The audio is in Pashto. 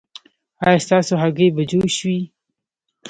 ایا ستاسو هګۍ به جوش وي؟